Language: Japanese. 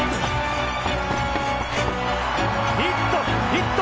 ヒット！